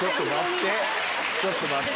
ちょっと待って。